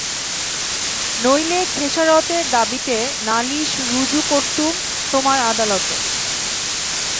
নইলে খেসারতের দাবিতে নালিশ রুজু করতুম তোমার আদালতে।